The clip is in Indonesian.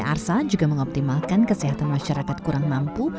arsa juga mengoptimalkan kesehatan masyarakat kurang mampu